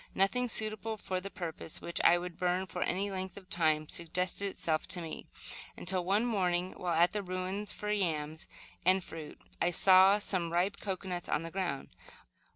Nothing suitable for the purpose, which would burn for any length of time, suggested itself to me, until, one morning, while at the ruins for yams and fruit, I saw some ripe cocoanuts on the ground.